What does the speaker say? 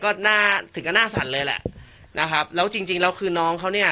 ก็น่าถึงก็หน้าสั่นเลยแหละนะครับแล้วจริงจริงแล้วคือน้องเขาเนี่ย